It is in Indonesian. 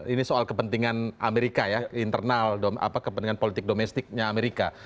ini soal kepentingan amerika ya internal kepentingan politik domestiknya amerika